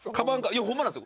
いやホンマなんですよ。